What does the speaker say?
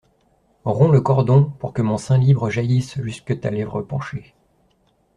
Romps le cordon, pour que mon sein libre jaillisse jusque ta lèvre penchée.